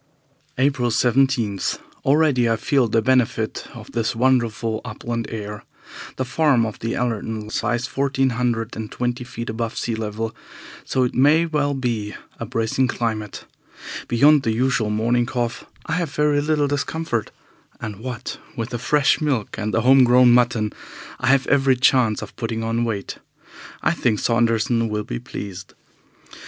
April 17. Already I feel the benefit of this wonderful upland air. The farm of the Allertons lies fourteen hundred and twenty feet above sea level, so it may well be a bracing climate. Beyond the usual morning cough I have very little discomfort, and, what with the fresh milk and the home grown mutton, I have every chance of putting on weight. I think Saunderson will be pleased.